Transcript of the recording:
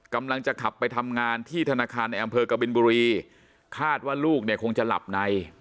กำลังจะขับไปทำงานที่ธนาคารในอำเภอกบินบุรีคาดว่าลูกเนี่ยคงจะหลับใน